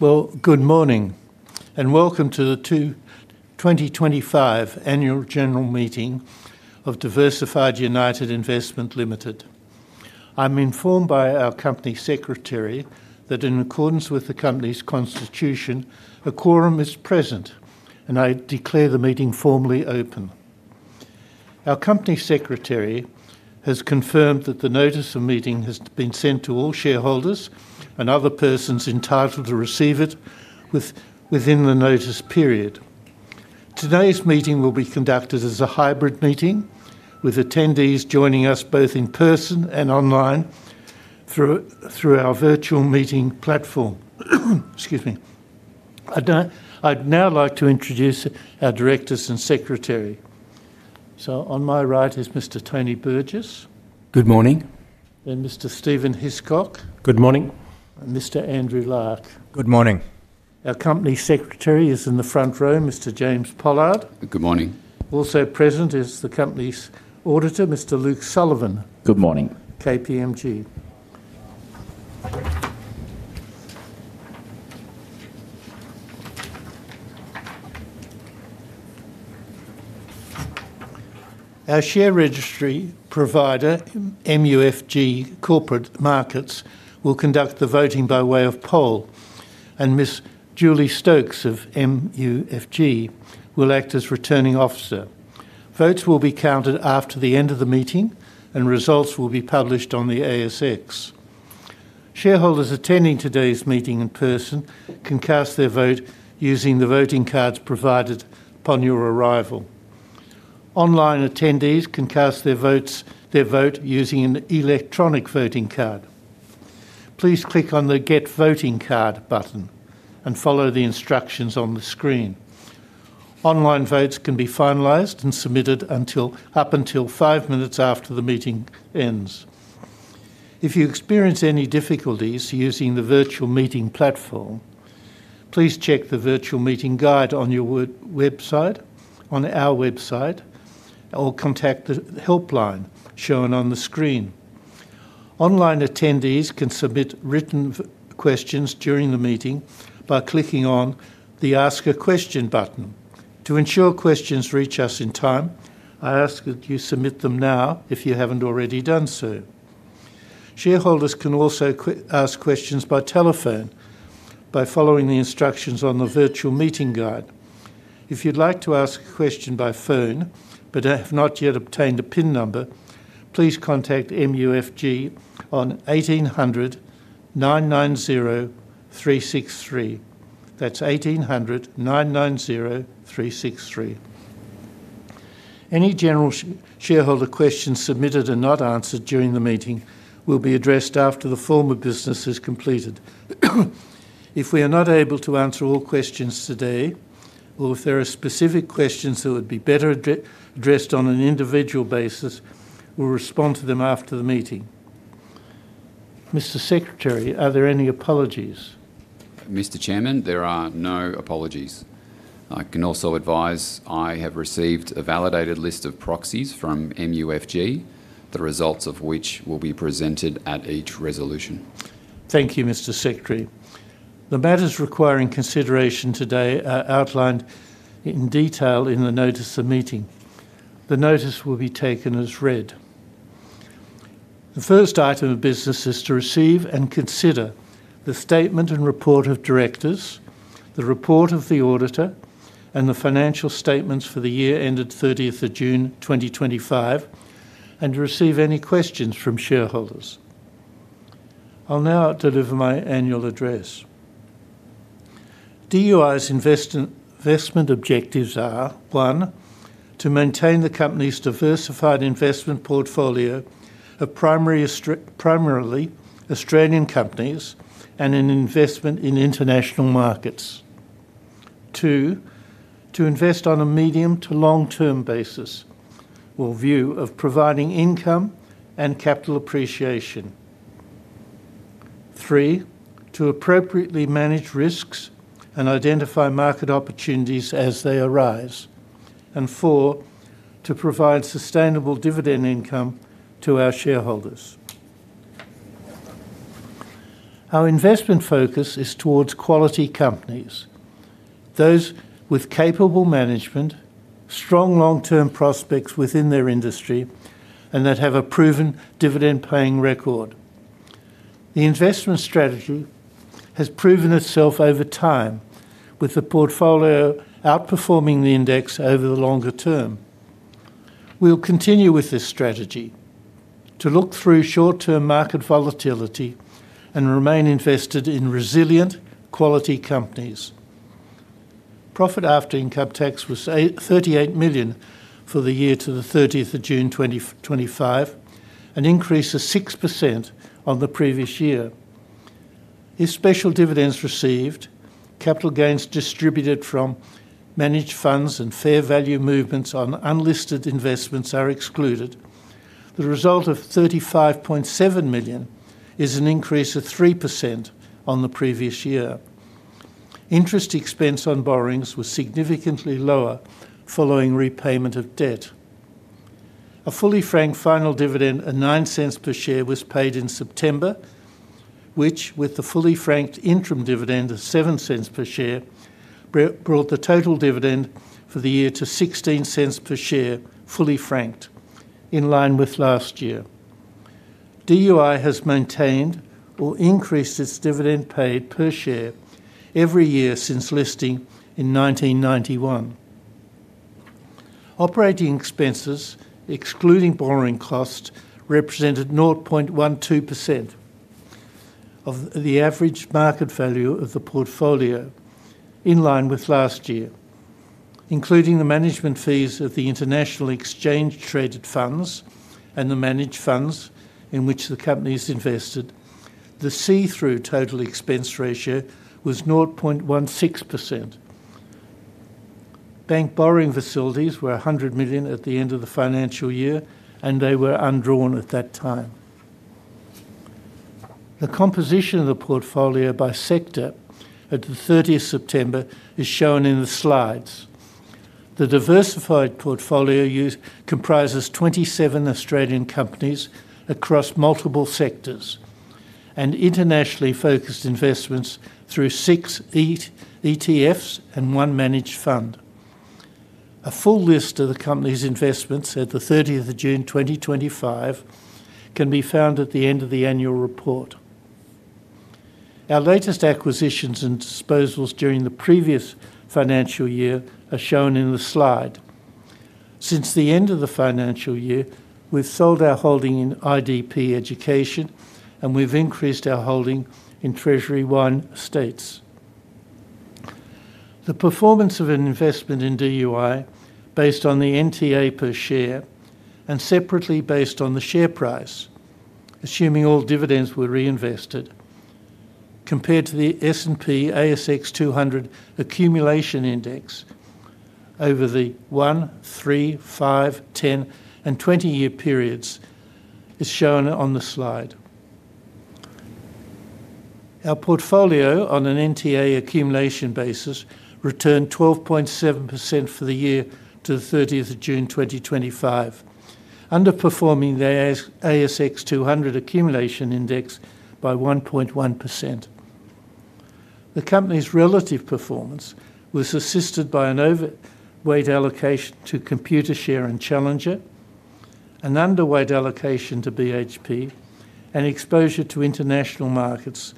Good morning and welcome to the 2025 Annual General Meeting of Diversified United Investment Limited. I'm informed by our Company Secretary that in accordance with the Company's Constitution, a quorum is present, and I declare the meeting formally open. Our Company Secretary has confirmed that the notice of meeting has been sent to all shareholders and other persons entitled to receive it within the notice period. Today's meeting will be conducted as a hybrid meeting, with attendees joining us both in person and online through our virtual meeting platform. I'd now like to introduce our Directors and Secretary. On my right is Mr. Tony Burgess. Good morning. Mr. Stephen Hiscock. Good morning. Mr. Andrew Larke. Good morning. Our Company Secretary is in the front row, Mr. James Pollard. Good morning. Also present is the Company's Auditor, Mr. Luke Sullivan. Good morning. KPMG. Our share registry provider, MUFG Corporate Markets, will conduct the voting by way of poll, and Ms. Julie Stokes of MUFG will act as returning officer. Votes will be counted after the end of the meeting, and results will be published on the ASX. Shareholders attending today's meeting in person can cast their vote using the voting cards provided upon your arrival. Online attendees can cast their vote using an electronic voting card. Please click on the "Get Voting Card" button and follow the instructions on the screen. Online votes can be finalized and submitted up until five minutes after the meeting ends. If you experience any difficulties using the virtual meeting platform, please check the virtual meeting guide on our website or contact the helpline shown on the screen. Online attendees can submit written questions during the meeting by clicking on the "Ask a Question" button. To ensure questions reach us in time, I ask that you submit them now if you haven't already done so. Shareholders can also ask questions by telephone by following the instructions on the virtual meeting guide. If you'd like to ask a question by phone but have not yet obtained a PIN number, please contact MUFG on 1800 990 363. That's 1800 990 363. Any general shareholder questions submitted and not answered during the meeting will be addressed after the formal business is completed. If we are not able to answer all questions today or if there are specific questions that would be better addressed on an individual basis, we'll respond to them after the meeting. Mr. Secretary, are there any apologies? Mr. Chairman, there are no apologies. I can also advise I have received a validated list of proxies from MUFG, the results of which will be presented at each resolution. Thank you, Mr. Secretary. The matters requiring consideration today are outlined in detail in the notice of meeting. The notice will be taken as read. The first item of business is to receive and consider the statement and report of directors, the report of the auditor, and the financial statements for the year ended 30th of June 2025, and to receive any questions from shareholders. I'll now deliver my annual address. DUI's investment objectives are: one, to maintain the Company's diversified investment portfolio of primarily Australian companies and an investment in international markets; two, to invest on a medium to long-term basis or view of providing income and capital appreciation; three, to appropriately manage risks and identify market opportunities as they arise; and four, to provide sustainable dividend income to our shareholders. Our investment focus is towards quality companies, those with capable management, strong long-term prospects within their industry, and that have a proven dividend-paying record. The investment strategy has proven itself over time, with the portfolio outperforming the index over the longer term. We'll continue with this strategy to look through short-term market volatility and remain invested in resilient, quality companies. Profit after income tax was 38 million for the year to the 30th of June 2025, an increase of 6% on the previous year. If special dividends received, capital gains distributed from managed funds, and fair value movements on unlisted investments are excluded, the result of 35.7 million is an increase of 3% on the previous year. Interest expense on borrowings was significantly lower following repayment of debt. A fully franked final dividend of 0.09 per share was paid in September, which, with the fully franked interim dividend of 0.07 per share, brought the total dividend for the year to 0.16 per share, fully franked, in line with last year. DUI has maintained or increased its dividend paid per share every year since listing in 1991. Operating expenses, excluding borrowing costs, represented 0.12% of the average market value of the portfolio in line with last year. Including the management fees of the international exchange-traded funds and the managed funds in which the Company has invested, the see-through total expense ratio was 0.16%. Bank borrowing facilities were 100 million at the end of the financial year, and they were undrawn at that time. The composition of the portfolio by sector at the 30th of September is shown in the slides. The diversified portfolio comprises 27 Australian companies across multiple sectors and internationally focused investments through six ETFs and one managed fund. A full list of the Company's investments at the 30th of June 2025 can be found at the end of the annual report. Our latest acquisitions and disposals during the previous financial year are shown in the slide. Since the end of the financial year, we've sold our holding in IDP Education, and we've increased our holding in Treasury Wine Estates. The performance of an investment in DUI, based on the NTA per share and separately based on the share price, assuming all dividends were reinvested, compared to the S&P/ASX 200 Accumulation Index over the 1, 3, 5, 10, and 20-year periods is shown on the slide. Our portfolio on an NTA accumulation basis returned 12.7% for the year to the 30th of June 2025, underperforming the ASX 200 Accumulation Index by 1.1%. The Company's relative performance was assisted by an overweight allocation to Computershare and Challenger, an underweight allocation to BHP, and exposure to international markets,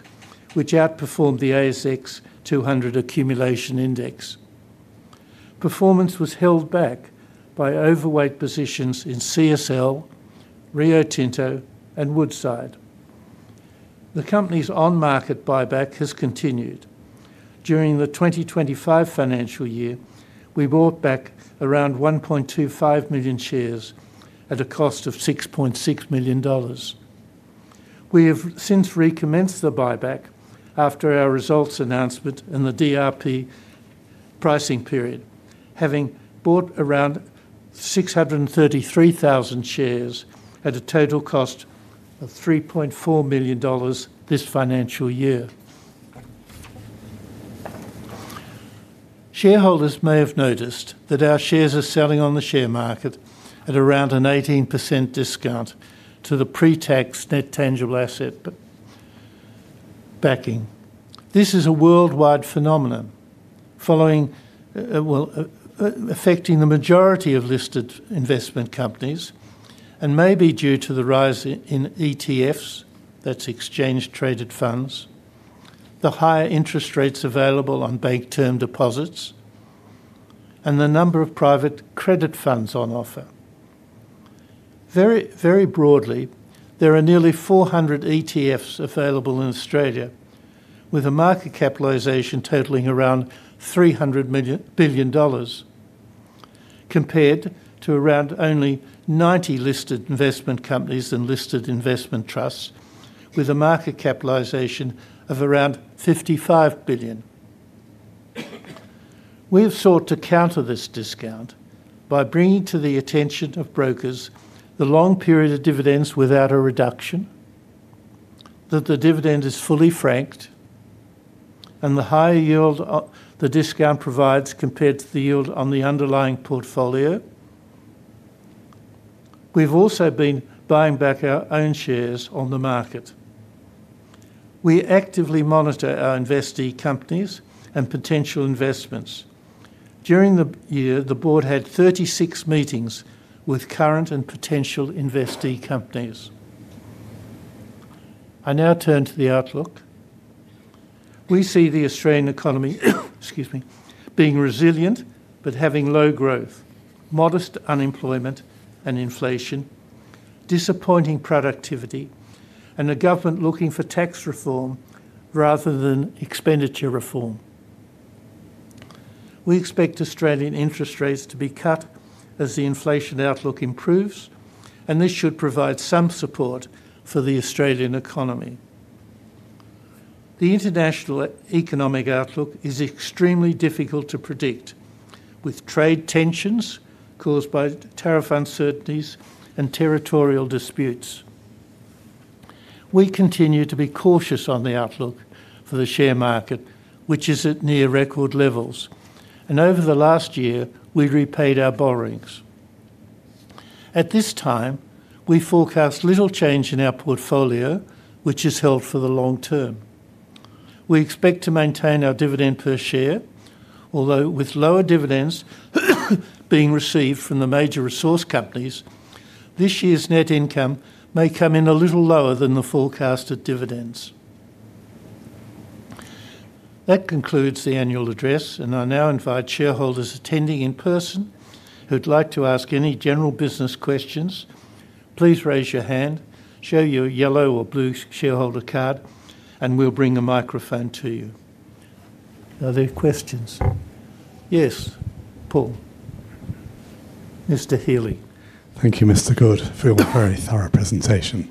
which outperformed the ASX 200 Accumulation Index. Performance was held back by overweight positions in CSL, Rio Tinto, and Woodside. The Company's on-market buyback has continued. During the 2025 financial year, we bought back around 1.25 million shares at a cost of 6.6 million dollars. We have since recommenced the buyback after our results announcement and the DRP pricing period, having bought around 633,000 shares at a total cost of 3.4 million dollars this financial year. Shareholders may have noticed that our shares are selling on the share market at around an 18% discount to the pre-tax net tangible asset backing. This is a worldwide phenomenon affecting the majority of listed investment companies and may be due to the rise in ETFs, that's exchange-traded funds, the higher interest rates available on bank term deposits, and the number of private credit funds on offer. Very broadly, there are nearly 400 ETFs available in Australia, with a market capitalization totaling around 300 billion dollars compared to around only 90 listed investment companies and listed investment trusts, with a market capitalization of around 55 billion. We have sought to counter this discount by bringing to the attention of brokers the long period of dividends without a reduction, that the dividend is fully franked, and the higher yield the discount provides compared to the yield on the underlying portfolio. We've also been buying back our own shares on the market. We actively monitor our investee companies and potential investments. During the year, the Board had 36 meetings with current and potential investee companies. I now turn to the outlook. We see the Australian economy being resilient but having low growth, modest unemployment and inflation, disappointing productivity, and a government looking for tax reform rather than expenditure reform. We expect Australian interest rates to be cut as the inflation outlook improves, and this should provide some support for the Australian economy. The international economic outlook is extremely difficult to predict, with trade tensions caused by tariff uncertainties and territorial disputes. We continue to be cautious on the outlook for the share market, which is at near record levels, and over the last year, we repaid our borrowings. At this time, we forecast little change in our portfolio, which is held for the long term. We expect to maintain our dividend per share, although with lower dividends being received from the major resource companies, this year's net income may come in a little lower than the forecasted dividends. That concludes the annual address, and I now invite shareholders attending in person who'd like to ask any general business questions. Please raise your hand, show your yellow or blue shareholder card, and we'll bring a microphone to you. Are there questions? Yes, Paul. Mr. Healy. Thank you, Mr. Goode, for your very thorough presentation.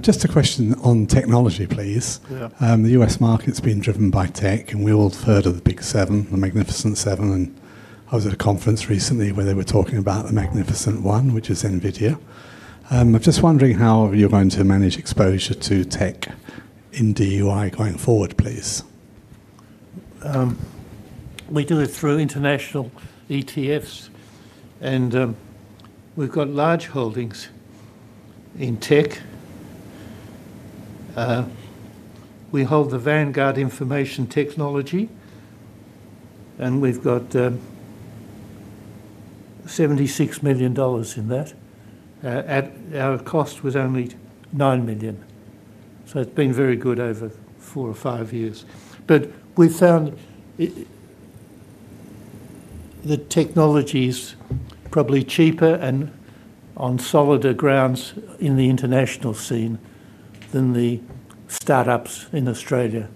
Just a question on technology, please. The U.S. market's been driven by tech, and we all defer to the Big Seven, the Magnificent Seven, and I was at a conference recently where they were talking about the Magnificent One, which is NVIDIA. I'm just wondering how you're going to manage exposure to tech in DUI going forward, please. We do it through international ETFs, and we've got large holdings in tech. We hold the Vanguard Information Technology ETF, and we've got 76 million dollars in that. Our cost was only 9 million, so it's been very good over four or five years. We've found the technology is probably cheaper and on solider grounds in the international scene than the startups in Australia.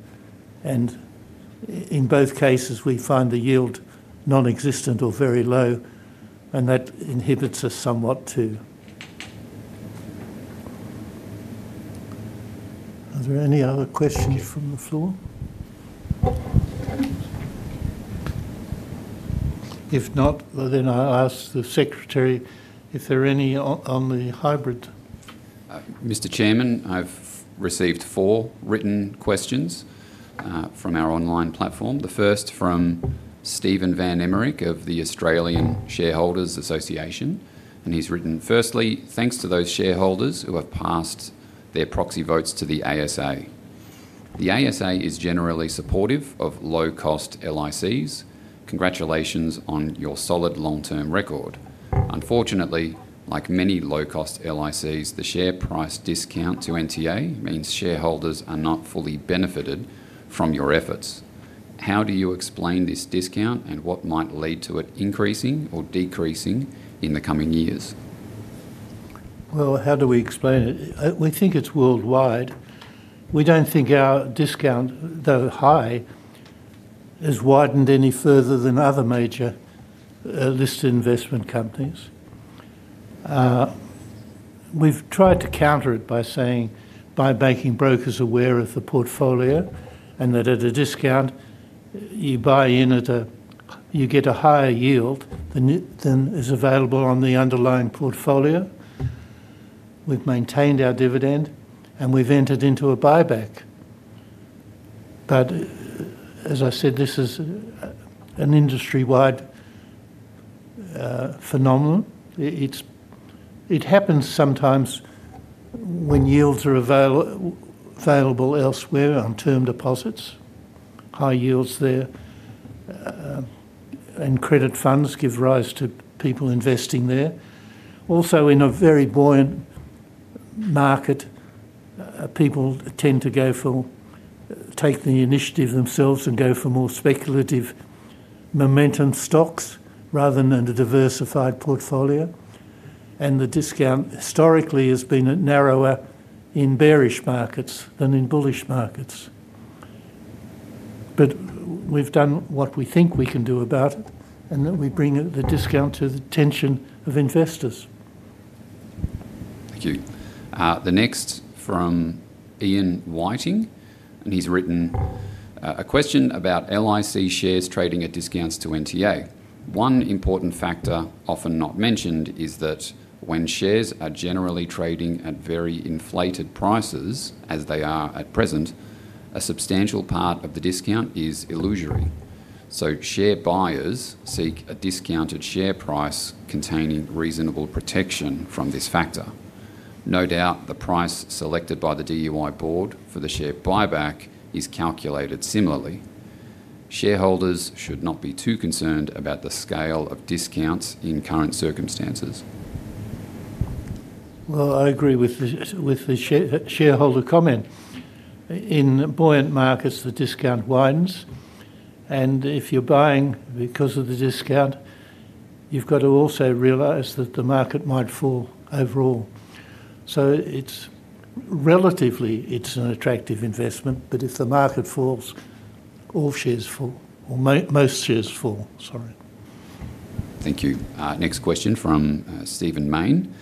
In both cases, we find the yield nonexistent or very low, and that inhibits us somewhat too. Are there any other questions from the floor? If not, I'll ask the Secretary if there are any on the hybrid. Mr. Chairman, I've received four written questions from our online platform. The first from Stephen Van Emmerik of the Australian Shareholders Association, and he's written, "Firstly, thanks to those shareholders who have passed their proxy votes to the ASA. The ASA is generally supportive of low-cost LICs. Congratulations on your solid long-term record. Unfortunately, like many low-cost LICs, the share price discount to NTA means shareholders are not fully benefited from your efforts. How do you explain this discount and what might lead to it increasing or decreasing in the coming years? How do we explain it? We think it's worldwide. We don't think our discount, though high, has widened any further than other major listed investment companies. We've tried to counter it by making brokers aware of the portfolio and that at a discount, you buy in at a, you get a higher yield than is available on the underlying portfolio. We've maintained our dividend, and we've entered into a buyback. As I said, this is an industry-wide phenomenon. It happens sometimes when yields are available elsewhere on term deposits, high yields there, and credit funds give rise to people investing there. Also, in a very buoyant market, people tend to go for, take the initiative themselves and go for more speculative momentum stocks rather than a diversified portfolio, and the discount historically has been narrower in bearish markets than in bullish markets. We've done what we think we can do about it and that we bring the discount to the attention of investors. Thank you. The next from Ian Whiting, and he's written a question about LIC shares trading at discounts to NTA. One important factor often not mentioned is that when shares are generally trading at very inflated prices, as they are at present, a substantial part of the discount is illusory. Share buyers seek a discounted share price containing reasonable protection from this factor. No doubt the price selected by the DUI Board for the share buyback is calculated similarly. Shareholders should not be too concerned about the scale of discounts in current circumstances. I agree with the shareholder comment. In buoyant markets, the discount winds, and if you're buying because of the discount, you've got to also realize that the market might fall overall. It's relatively, it's an attractive investment, but if the market falls, all shares fall, or most shares fall, sorry. Thank you. Next question from Stephen Mayne,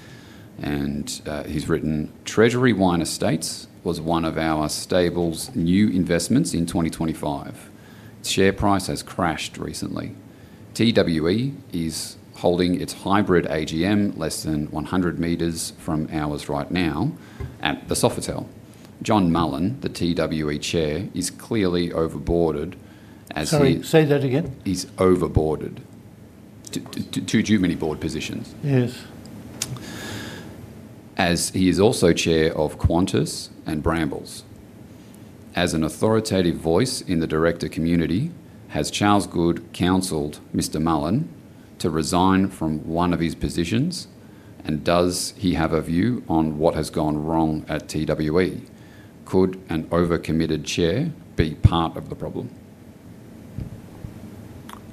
and he's written, "Treasury Wine Estates was one of our stable's new investments in 2025. Its share price has crashed recently. TWE is holding its hybrid AGM less than 100 m from ours right now at the Sofitel. John Mullen, the TWE Chair, is clearly overboarded as he... Say that again. He's overboarded. Too many board positions. Yes. As he is also Chair of Qantas and Brambles. As an authoritative voice in the director community, has Charles Goode counseled Mr. Mullin to resign from one of his positions, and does he have a view on what has gone wrong at TWE? Could an overcommitted Chair be part of the problem?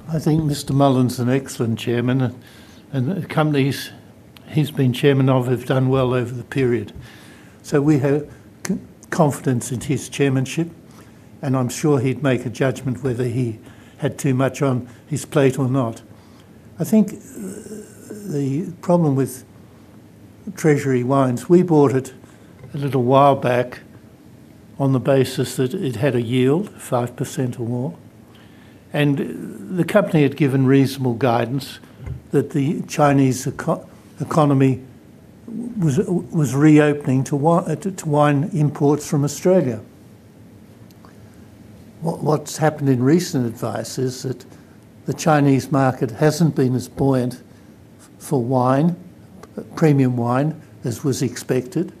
I think Mr. Mullen's an excellent Chairman, and the companies he's been Chairman of have done well over the period. We have confidence in his chairmanship, and I'm sure he'd make a judgment whether he had too much on his plate or not. I think the problem with Treasury Wine is we bought it a little while back on the basis that it had a yield of 5% or more, and the company had given reasonable guidance that the Chinese economy was reopening to wine imports from Australia. What's happened in recent advice is that the Chinese market hasn't been as buoyant for wine, premium wine, as was expected.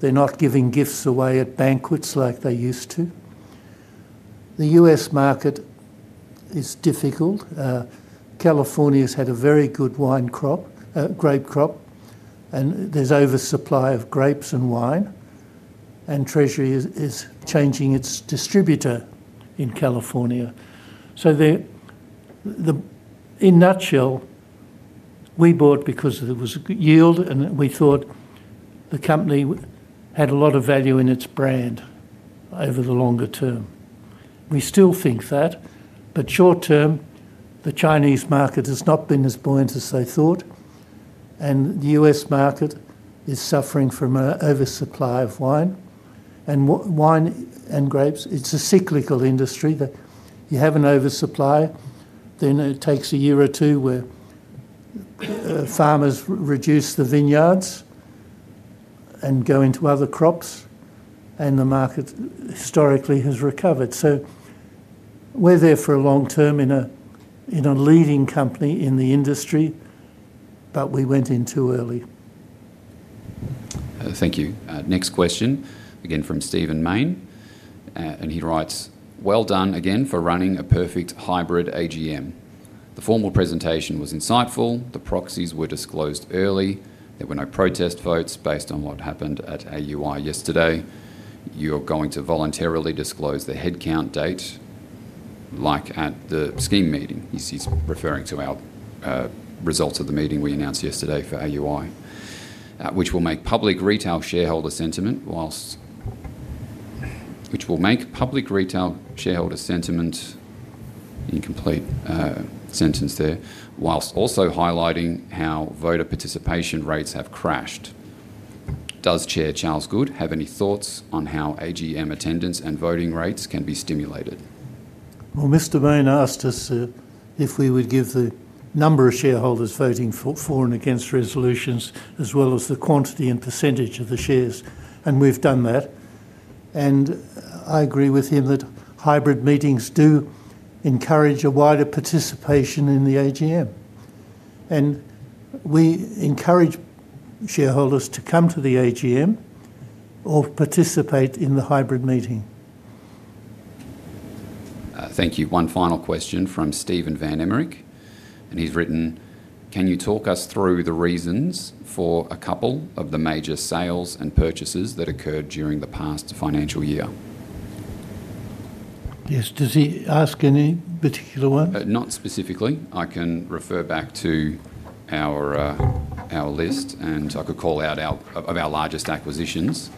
They're not giving gifts away at banquets like they used to. The U.S. market is difficult. California's had a very good grape crop, and there's oversupply of grapes and wine, and Treasury is changing its distributor in California. In a nutshell, we bought because there was a yield, and we thought the company had a lot of value in its brand over the longer term. We still think that, but short term, the Chinese market has not been as buoyant as they thought, and the U.S. market is suffering from an oversupply of wine. Wine and grapes, it's a cyclical industry. You have an oversupply, then it takes a year or two where farmers reduce the vineyards and go into other crops, and the market historically has recovered. We're there for a long term in a leading company in the industry, but we went in too early. Thank you. Next question, again from Stephen Mayne, and he writes, "Well done again for running a perfect hybrid AGM. The formal presentation was insightful. The proxies were disclosed early. There were no protest votes based on what happened at AUI yesterday. You're going to voluntarily disclose the headcount data like at the scheme meeting." He's referring to our results of the meeting we announced yesterday for AUI, which will make public retail shareholder sentiment incomplete. Sentence there, whilst also highlighting how voter participation rates have crashed. Does Chair Charles Goode have any thoughts on how AGM attendance and voting rates can be stimulated? Mr. Mayne asked us if we would give the number of shareholders voting for and against resolutions, as well as the quantity and percentage of the shares, and we've done that. I agree with him that hybrid meetings do encourage a wider participation in the AGM, and we encourage shareholders to come to the AGM or participate in the hybrid meeting. Thank you. One final question from Stephen Van Emmerik, and he's written, "Can you talk us through the reasons for a couple of the major sales and purchases that occurred during the past financial year? Yes, does he ask any particular one? Not specifically. I can refer back to our list, and I could call out our largest acquisitions.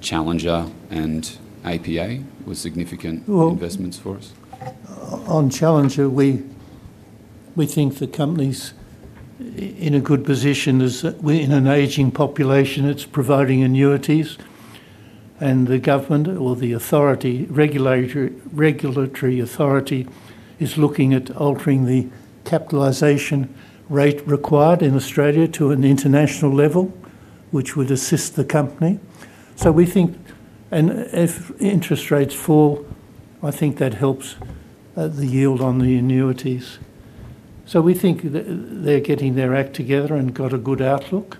Challenger and APA were significant investments for us. On Challenger, we think the company's in a good position is that we're in an aging population. It's providing annuities, and the government or the regulatory authority is looking at altering the capitalization rate required in Australia to an international level, which would assist the company. We think, and if interest rates fall, I think that helps the yield on the annuities. We think they're getting their act together and got a good outlook.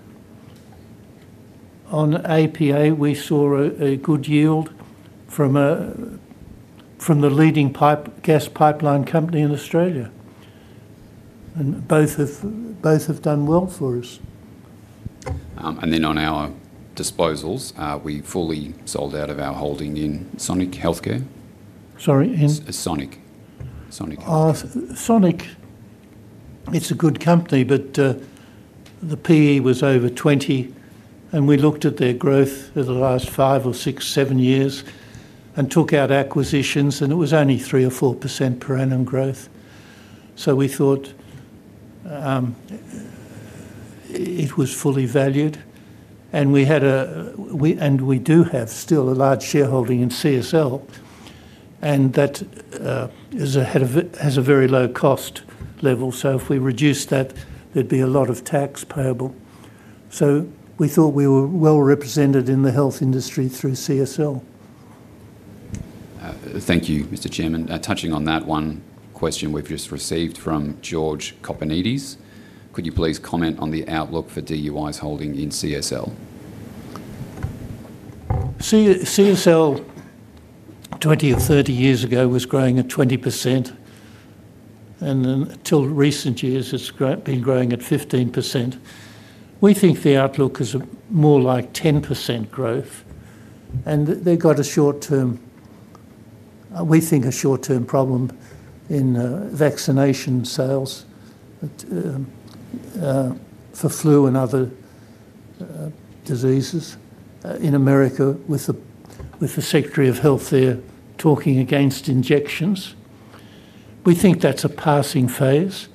On APA, we saw a good yield from the leading gas pipeline company in Australia, and both have done well for us. On our disposals, we fully sold out of our holding in Sonic Healthcare. Sorry, in? Sonic. Healthcare, it's a good company, but the PE was over 20, and we looked at their growth for the last five or six, seven years and took out acquisitions, and it was only 3% or 4% per annum growth. We thought it was fully valued, and we do have still a large shareholding in CSL, and that has a very low cost level. If we reduce that, there'd be a lot of tax payable. We thought we were well represented in the health industry through CSL. Thank you, Mr. Chairman. Touching on that one question we've just received from [George Coponides], could you please comment on the outlook for DUI's holding in CSL? CSL, 20 or 30 years ago, was growing at 20%, and until recent years, it's been growing at 15%. We think the outlook is more like 10% growth, and they've got a short term, we think, a short-term problem in vaccination sales for flu and other diseases in America, with the Secretary of Health there talking against injections. We think that's a passing phase.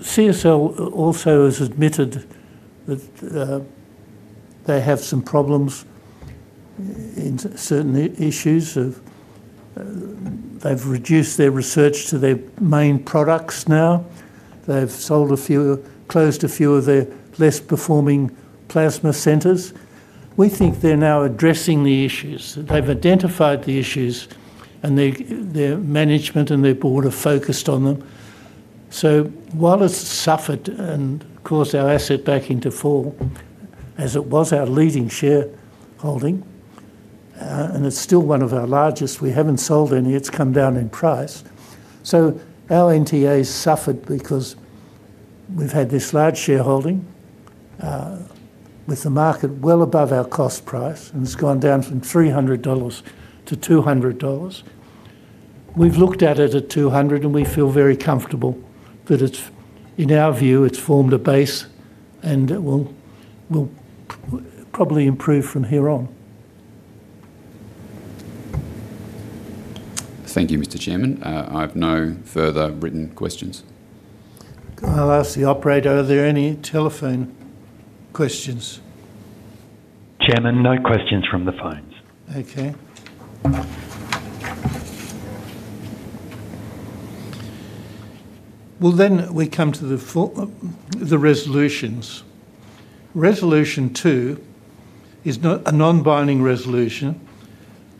CSL also has admitted that they have some problems in certain issues. They've reduced their research to their main products now. They've sold a few, closed a few of their less performing plasma centers. We think they're now addressing the issues. They've identified the issues, and their management and their board are focused on them. While it's suffered and caused our asset backing to fall, as it was our leading share holding, and it's still one of our largest, we haven't sold any. It's come down in price. Our NTA's suffered because we've had this large share holding with the market well above our cost price, and it's gone down from 300 dollars to 200 dollars. We've looked at it at 200, and we feel very comfortable that it's, in our view, it's formed a base, and it will probably improve from here on. Thank you, Mr. Chairman. I have no further written questions. I'll ask the operator, are there any telephone questions? Chairman, no questions from the phones. Okay. We come to the resolutions. Resolution 2 is a non-binding resolution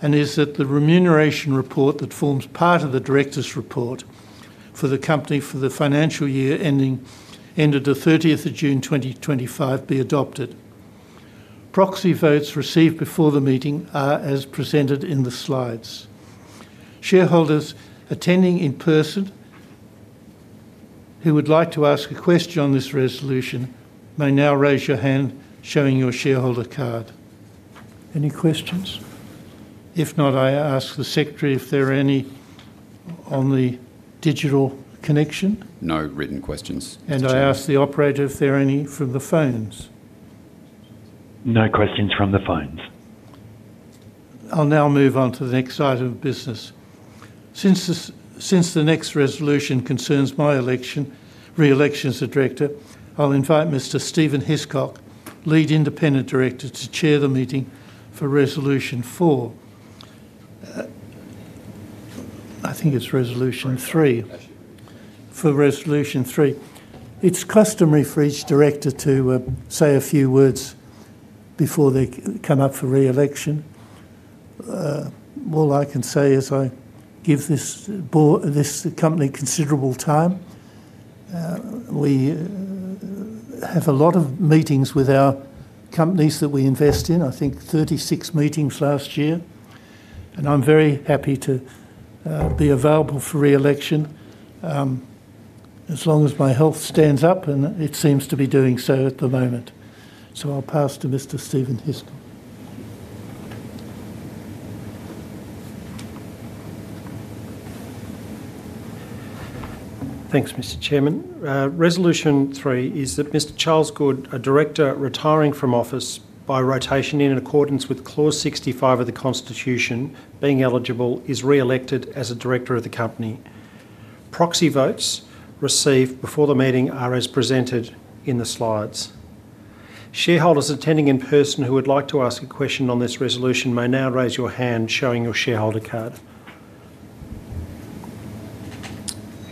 and is that the remuneration report that forms part of the Director's Report for the company for the financial year ended the 30th of June 2025 be adopted. Proxy votes received before the meeting are as presented in the slides. Shareholders attending in person who would like to ask a question on this resolution may now raise your hand, showing your shareholder card. Any questions? If not, I ask the Secretary if there are any on the digital connection. No written questions. I ask the operator if there are any from the phones. No questions from the phones. I'll now move on to the next item of business. Since the next resolution concerns my reelection as a Director, I'll invite Mr. Stephen Hiscock, Lead Independent Director, to chair the meeting for Resolution 4. I think it's Resolution 3. For Resolution 3, it's customary for each Director to say a few words before they come up for reelection. All I can say is I give this company considerable time. We have a lot of meetings with our companies that we invest in, I think 36 meetings last year, and I'm very happy to be available for reelection as long as my health stands up, and it seems to be doing so at the moment. I'll pass to Mr. Stephen Hiscock. Thanks, Mr. Chairman. Resolution 3 is that Mr. Charles Goode, a Director retiring from office by rotation in accordance with Clause 65 of the Constitution, being eligible, is reelected as a Director of the company. Proxy votes received before the meeting are as presented in the slides. Shareholders attending in person who would like to ask a question on this resolution may now raise your hand, showing your shareholder card.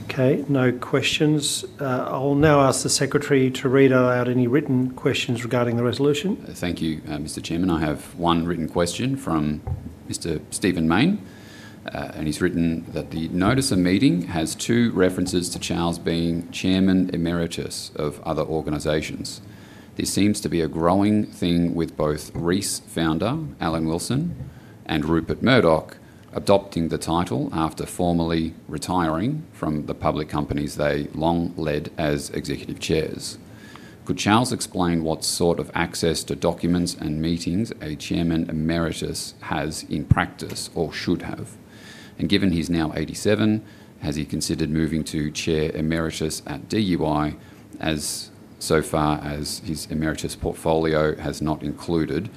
Okay, no questions. I'll now ask the Secretary to read out any written questions regarding the resolution. Thank you, Mr. Chairman. I have one written question from Mr. Stephen Mayne, and he's written that the notice of meeting has two references to Charles being Chairman Emeritus of other organizations. This seems to be a growing thing with both Reece founder, Alan Wilson, and Rupert Murdoch adopting the title after formally retiring from the public companies they long led as executive chairs. Could Charles explain what sort of access to documents and meetings a Chairman Emeritus has in practice or should have? Given he's now 87, has he considered moving to Chair Emeritus at DUI as so far as his emeritus portfolio has not included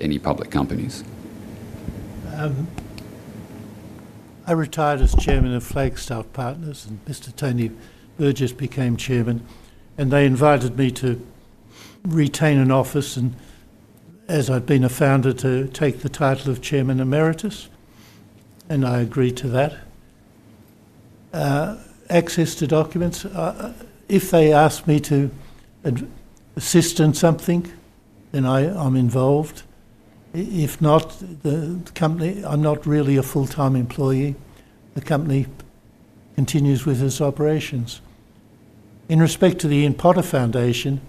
any public companies? I retired as Chairman of Flagstaff Partners, and Mr. Tony Burgess became Chairman, and they invited me to retain an office, and as I've been a founder, to take the title of Chairman Emeritus, and I agreed to that. Access to documents, if they ask me to assist in something, then I'm involved. If not, the company, I'm not really a full-time employee. The company continues with its operations. In respect to the Ian Potter Foundation,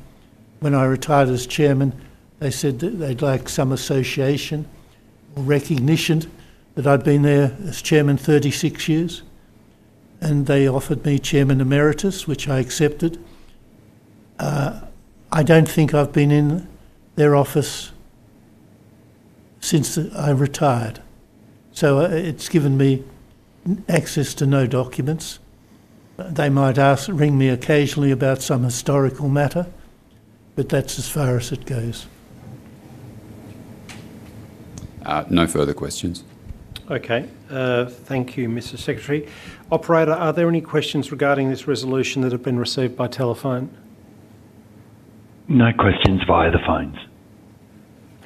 when I retired as Chairman, they said that they'd like some association or recognition that I'd been there as Chairman 36 years, and they offered me Chairman Emeritus, which I accepted. I don't think I've been in their office since I retired. It's given me access to no documents. They might ask, ring me occasionally about some historical matter, but that's as far as it goes. No further questions. Okay. Thank you, Mr. Secretary. Operator, are there any questions regarding this resolution that have been received by telephone? No questions via the phones.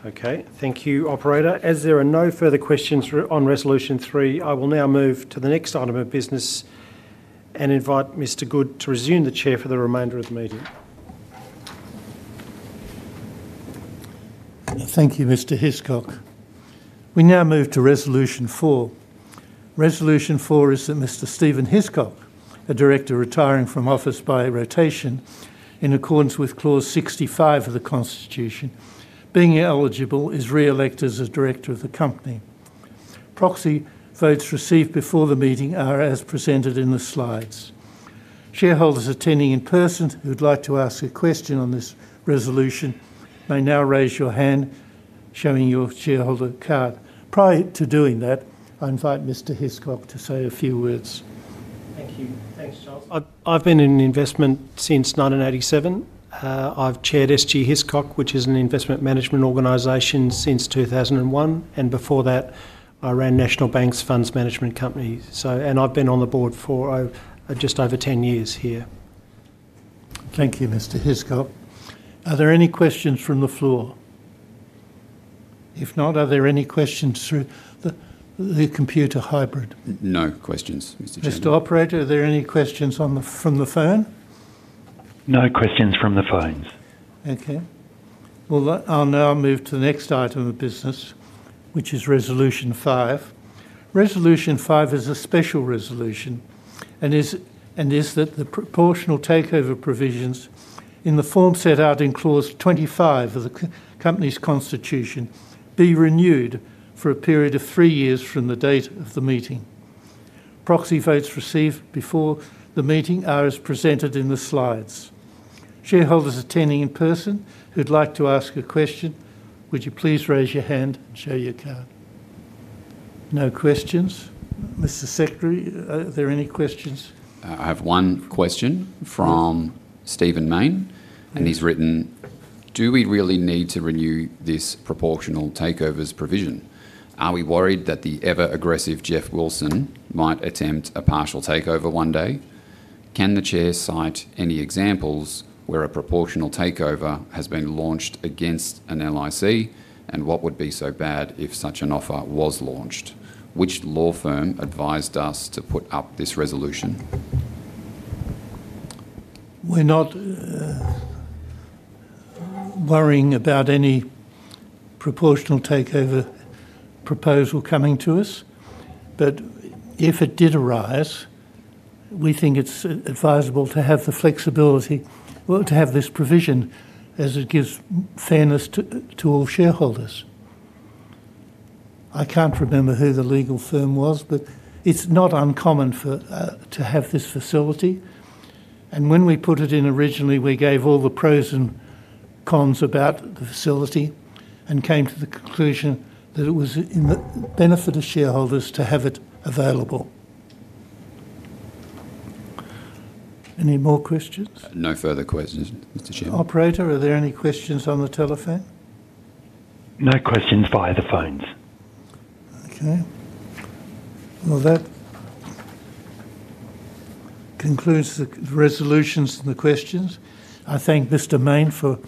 Okay. Thank you, Operator. As there are no further questions on Resolution 3, I will now move to the next item of business and invite Mr. Goode to resume the Chair for the remainder of the meeting. Thank you, Mr. Hiscock. We now move to Resolution 4. Resolution 4 is that Mr. Stephen Hiscock, a Director retiring from office by rotation, in accordance with Clause 65 of the Constitution, being eligible, is reelected as a Director of the company. Proxy votes received before the meeting are as presented in the slides. Shareholders attending in person who'd like to ask a question on this resolution may now raise your hand, showing your shareholder card. Prior to doing that, I invite Mr. Hiscock to say a few words. Thank you. Thanks, Charles. I've been in investment since 1987. I've chaired SG Hiscock, which is an investment management organization, since 2001, and before that, I ran National Bank's Funds Management Company. I've been on the board for just over 10 years here. Thank you, Mr. Hiscock. Are there any questions from the floor? If not, are there any questions through the computer hybrid? No questions, Mr. Chairman. Mr. Operator, are there any questions from the phone? No questions from the phones. Okay. I'll now move to the next item of business, which is Resolution 5. Resolution 5 is a special resolution and is that the proportional takeover provisions in the form set out in Clause 25 of the company's Constitution be renewed for a period of three years from the date of the meeting. Proxy votes received before the meeting are as presented in the slides. Shareholders attending in person who'd like to ask a question, would you please raise your hand and show your card? No questions. Mr. Secretary, are there any questions? I have one question from Stephen Mayne, and he's written, "Do we really need to renew this proportional takeovers provision? Are we worried that the ever-aggressive Jeff Wilson might attempt a partial takeover one day? Can the Chair cite any examples where a proportional takeover has been launched against an LIC, and what would be so bad if such an offer was launched? Which law firm advised us to put up this resolution? We're not worrying about any proportional takeover proposal coming to us, but if it did arise, we think it's advisable to have the flexibility to have this provision as it gives fairness to all shareholders. I can't remember who the legal firm was, but it's not uncommon to have this facility. When we put it in originally, we gave all the pros and cons about the facility and came to the conclusion that it was in the benefit of shareholders to have it available. Any more questions? No further questions, Mr. Chairman. Operator, are there any questions on the telephone? No questions via the phones. Okay. That concludes the resolutions and the questions. I thank Mr. Mayne for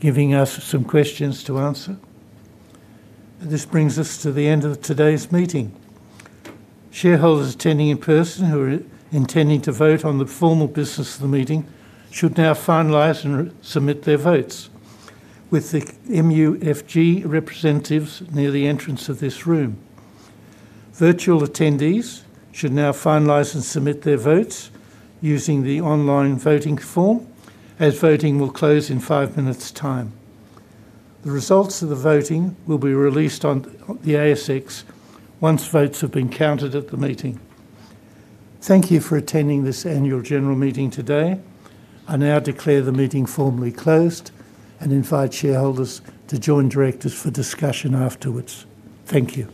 giving us some questions to answer. This brings us to the end of today's meeting. Shareholders attending in person who are intending to vote on the formal business of the meeting should now finalize and submit their votes with the MUFG representatives near the entrance of this room. Virtual attendees should now finalize and submit their votes using the online voting form, as voting will close in five minutes' time. The results of the voting will be released on the ASX once votes have been counted at the meeting. Thank you for attending this annual general meeting today. I now declare the meeting formally closed and invite shareholders to join directors for discussion afterwards. Thank you.